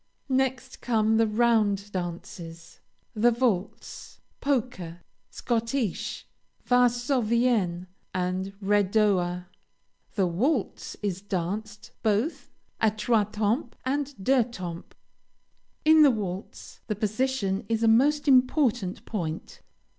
Next come the round dances, the Valse, Polka, Schottische, Varsovienne, and Redowa. The Waltz is danced both à troistemps and deuxtemps. In the waltz, the position is a most important point.